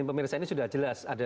dan pemirsa ini sudah jelas